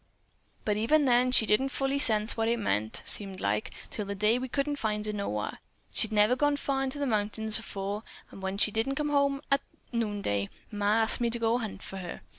"But even then, she didn't fully sense what it meant, seemed like, till the day we couldn't find her nowhar. She'd never gone far into the mountains afore that, but when she didn't come home at noonday, Ma asked me to go an' hunt for her.